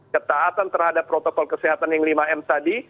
ketaatan terhadap protokol kesehatan yang lima m tadi